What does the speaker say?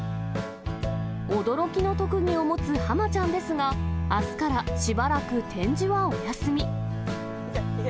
驚きの特技を持つハマちゃんですが、あすからしばらく展示はお休み。